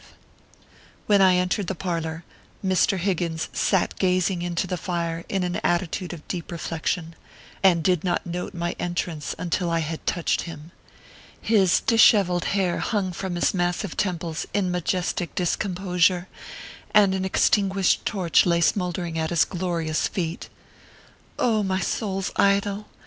When I entered the parlor, Mr. Higgins sat gazing into the fire in an attitude of deep reflection, and did not note my entrance until I had touched him. His dishevelled hair Imng from his massive temples in majestic discomposure, and an extinguished torch lay smouldering at his glorious feet. O my soul s idol